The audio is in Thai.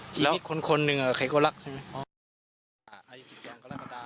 ชีวิตคนหนึ่งอะใครก็รักใช่ไหม